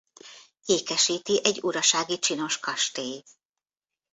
Ékesíti egy urasági csinos kastély.